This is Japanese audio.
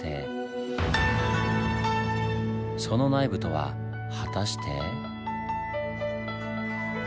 その内部とは果たして。